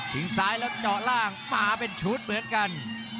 ซ้ายแล้วเจาะล่างมาเป็นชุดเหมือนกัน